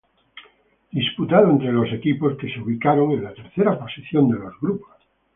Disputado entre los equipos que se ubicaron en la tercera posición de los grupos.